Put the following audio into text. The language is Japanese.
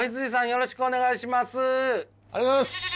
よろしくお願いします。